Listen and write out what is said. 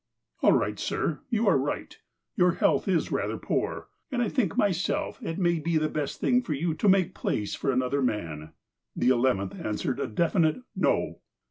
''All right, sir. You are right. Your health is rather poor, and I think myself it may be the best thing for you to make place for another man." The eleventh answered a definite " No."